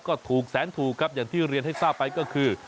ก็ถูกแสนถูกครับอย่างที่เรียนให้ทราบไปก็คือ